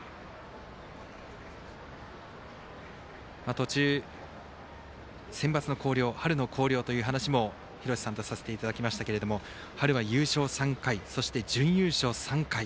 途中、センバツの広陵春の広陵という話も廣瀬さんとさせていただきましたが春は優勝３回、そして準優勝３回。